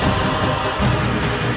kerja yang memuaskan